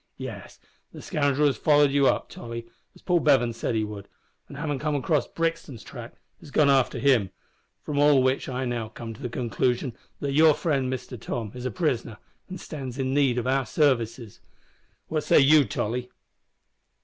Yes, the scoundrel has followed you up, Tolly, as Paul Bevan said he would, and, havin' come across Brixton's track, has gone after him, from all which I now come to the conclusion that your friend Mister Tom is a prisoner, an' stands in need of our sarvices. What say you, Tolly?"